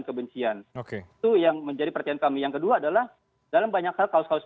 kebencian oke itu yang menjadi perhatian kami yang kedua adalah dalam banyak hal kaos kaos